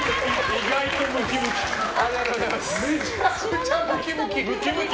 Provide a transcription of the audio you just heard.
意外とムキムキ。